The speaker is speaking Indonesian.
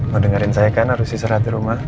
mau dengerin saya kan harus istirahat di rumah